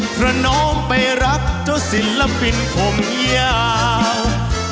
เพราะน้องไปรักเจ้าศิลปินผมยาว